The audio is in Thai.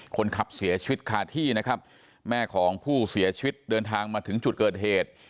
คนขับเสียชีวิตคาที่นะครับแม่ของผู้เสียชีวิตเดินทางมาถึงจุดเกิดเหตุ